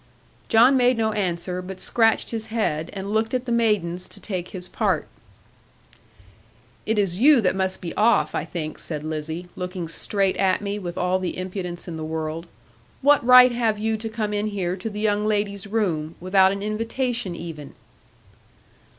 John made no answer, but scratched his head, and looked at the maidens to take his part. 'It is you that must be off, I think,' said Lizzie, looking straight at me with all the impudence in the world; 'what right have you to come in here to the young ladies' room, without an invitation even?'